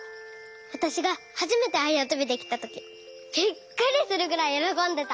わたしがはじめてあやとびできたときびっくりするぐらいよろこんでた。